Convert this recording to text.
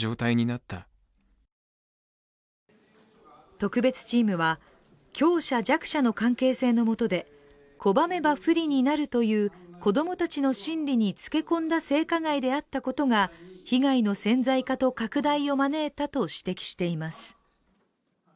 特別チームは強者・弱者の関係性のもとで、拒めば不利になるという子供たちの心理につけ込んだ性加害であったことが被害の潜在化と拡大を招いたと指摘しています。